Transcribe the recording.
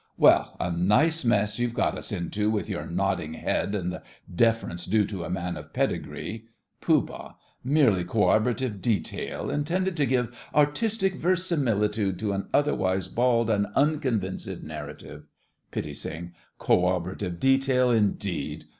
Well, a nice mess you've got us into, with your nodding head and the deference due to a man of pedigree! POOH. Merely corroborative detail, intended to give artistic verisimilitude to an otherwise bald and unconvincing narrative. PITTI. Corroborative detail indeed!